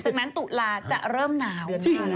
จากนั้นตุลาจะเริ่มหนาว